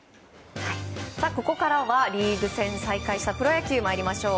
ここからはリーグ戦再開したプロ野球に参りましょう。